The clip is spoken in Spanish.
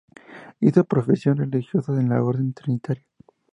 Hizo profesión religiosa en la Orden Trinitaria.